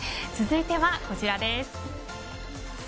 続いてはこちらです。